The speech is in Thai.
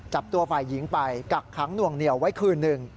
จับตัวฝ่ายหญิงไปกักขังหน่วงเหนียวไว้คืนหนึ่ง